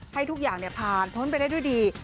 ให้ทุกอย่างผ่านพ้นไปได้ด้วยดี